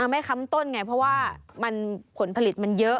ค้ำต้นไงเพราะว่าผลผลิตมันเยอะ